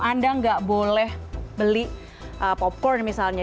anda nggak boleh beli popcorn misalnya